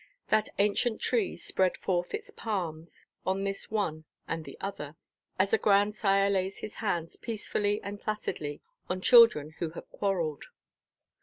That ancient tree spread forth its arms on this one and the other, as a grandsire lays his hands peacefully and placidly on children who have quarrelled.